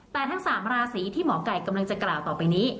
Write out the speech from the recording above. แต่ทั้ง๓ราศีที่หมอไก่กำลังจะกล่าวต่อไปนี้